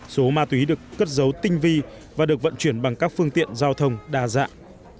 số ma túy được cất dấu tinh vi và được vận chuyển bằng các phương tiện giao thông đa dạng